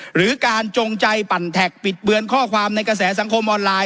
หรือการจงใจปั่นแท็กปิดเบือนข้อความในกระแสสังคมออนไลน